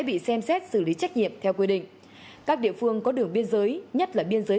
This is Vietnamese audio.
bị xem xét xử lý trách nhiệm theo quy định các địa phương có đường biên giới nhất là biên giới